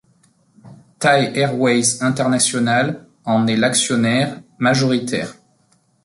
Thai Airways International en est l'actionnaire majoritaire.